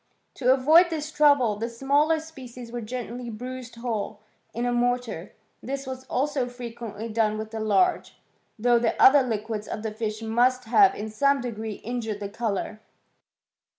To avoid this trouble, the smaller spe cies were generally bruised whole, in a mortar; this was also frequently done with the large, though the other liquids of the fish must have in some degree in * jured the colour.